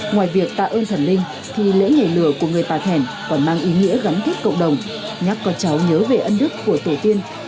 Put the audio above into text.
ngoài việc tạ ơn thần linh thì lễ nhảy lửa của người pà thèn còn mang ý nghĩa gắn kết cộng đồng nhắc con cháu nhớ về ân đức của tổ tiên